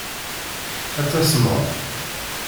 Ad tasmeḍ.